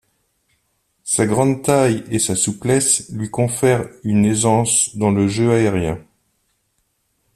Sa grande taille et sa souplesse lui confèrent une aisance dans le jeu aérien.